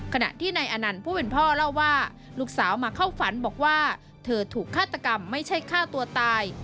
ขณะที่นายอนันต์ผู้เป็นพ่อเล่าว่าลูกสาวมาเข้าฝันบอกว่าเธอถูกฆาตกรรมไม่ใช่ฆ่าตัวตาย